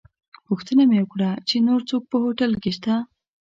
پوښتنه مې وکړه چې نور څوک په هوټل کې شته.